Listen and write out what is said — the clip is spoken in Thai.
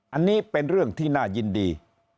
อันนี้เป็นเรื่องที่น่ายินดี